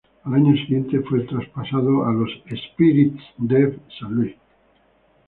Al año siguiente fue traspasado a los Spirits of St.